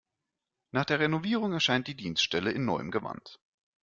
Nach der Renovierung erscheint die Dienststelle in neuem Gewand.